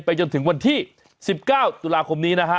จนถึงวันที่๑๙ตุลาคมนี้นะฮะ